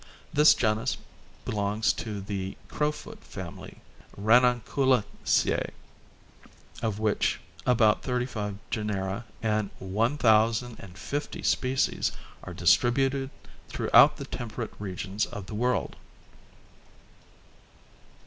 This genus belongs to the crowfoot family, Ranunculaceae, of which about thirty five genera and one thousand and fifty species are distributed throughout the temperate regions of the world.